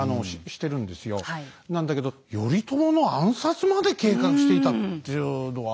なんだけど頼朝の暗殺まで計画していたっていうのは。